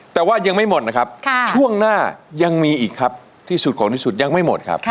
แต่ว่ายังไม่หมดนะครับช่วงหน้ายังมีอีกครับที่สุดของที่สุดยังไม่หมดครับ